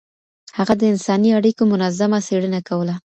هغه د انساني اړيکو منظمه څېړنه کوله.